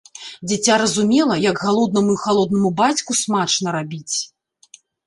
Дзіця разумела, як галоднаму і халоднаму бацьку смачна рабіць.